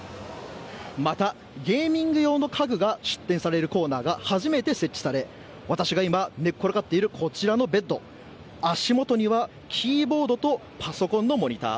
また、ゲーミング用の家具が出展されるコーナーが初めて設置され私が今、寝っ転がっているこちらのベッド足元にはキーボードとパソコンのモニター。